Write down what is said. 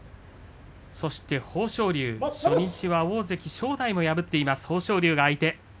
そして豊昇龍初日は大関正代を破っています。